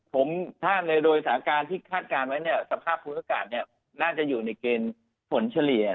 ผมถ้าโดยสถานการณ์ที่คาดการณ์ไว้สภาพธุรกาศน่าจะอยู่ในเกณฑ์ผลเฉลี่ย